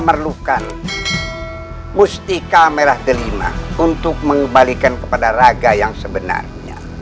memerlukan mustika merah delima untuk mengembalikan kepada raga yang sebenarnya